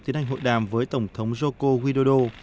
tiến hành hội đàm với tổng thống joko widodo